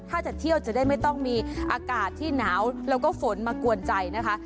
ถ้าจะเที่ยวจะได้ไม่ต้องมีอากาศที่หนาวแล้วก็ฝนมากวนใจนะคะ